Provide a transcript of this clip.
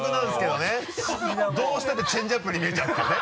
どうしたってチェンジアップに見えちゃうっていうね。